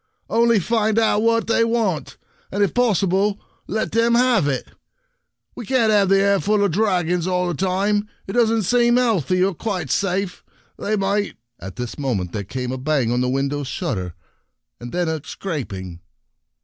" Only find out what they want, and if possible, let them have it. We can't have the air full of dragons all the time. It doesn't seem healthy, or quite safe. They might —" At this moment there came a bang on the window shutter, and then a scraping.